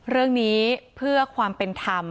เรื่องนี้เพื่อความเป็นธรรม